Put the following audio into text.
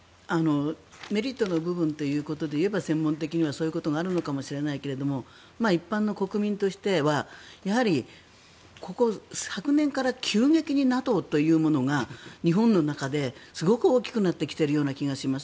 メリットの部分ということで言えば専門的にはそういうことがあるのかもしれないけど一般の国民としてはやはり昨年から急激にＮＡＴＯというものが日本の中ですごく大きくなってきているような気がします。